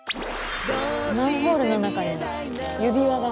マンホールの中に指輪が。